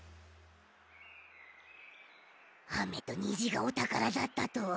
あめとにじがおたからだったとは。